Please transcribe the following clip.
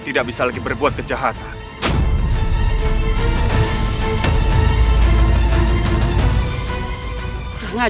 berhentilah berbuat keonara